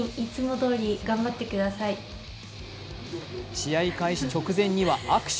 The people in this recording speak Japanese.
試合開始直前には握手。